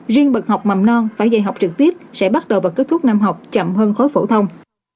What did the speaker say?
riêng bậc học mầm non phải dạy học trực tiếp sẽ bắt đầu và kết thúc năm học chậm hơn khối phổ thông